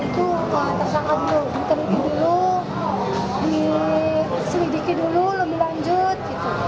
diteliti dulu diselidiki dulu lebih lanjut